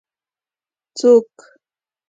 څوک